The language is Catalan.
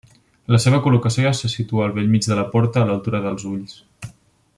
La seva col·locació se situa al bell mig de la porta a l'altura dels ulls.